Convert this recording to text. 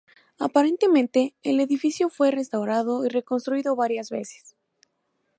Aparentemente, el edificio fue restaurado y reconstruido varias veces.